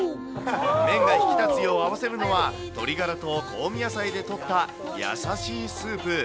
麺が引き立つよう、合わせるのは、鶏ガラと香味野菜でとった優しいスープ。